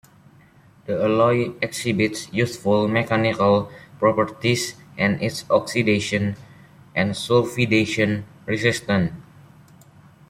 The alloy exhibits useful mechanical properties and is oxidation- and sulfidation-resistant.